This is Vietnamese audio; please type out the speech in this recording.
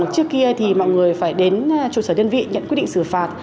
trước kia thì mọi người phải đến trụ sở đơn vị nhận quyết định xử phạt